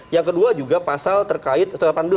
yang kedua juga pasal terkait satu ratus delapan belas